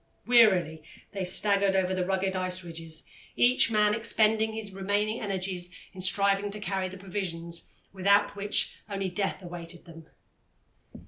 Wearily they staggered over the rugged ice ridges, each man expending his remaining energies in striving to carry the provisions, without which only death awaited them.